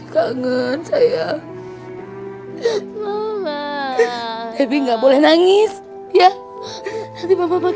dadah debbie ya pak